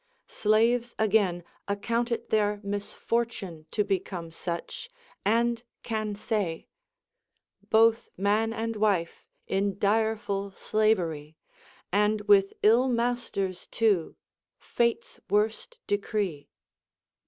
Slaves again account it their misfortune to become such, and can say, — Both man and wife in direful slavery, And with ill masters too ! Fate's worst decree